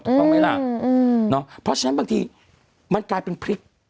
ถูกต้องไหมล่ะเพราะฉะนั้นบางทีมันกลายเป็นพริก